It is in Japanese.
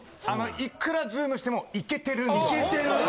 いくらズームしてもいけてるんですよ。